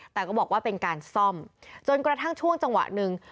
แต่ก็บอกว่าเป็นการซ่อมจนกระทั่งช่วงจังหวะหนึ่ง